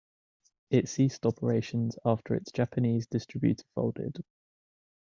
It ceased operations after its Japanese distributor folded.